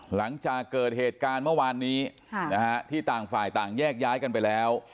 หลังจากเกิดเหตุการณ์เมื่อวานนี้ที่ต่างฝ่ายต่างแยกย้ายกันไปแล้ว